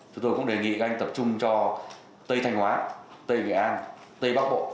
chúng tôi cũng đề nghị các anh tập trung cho tây thanh hóa tây nghệ an tây bắc bộ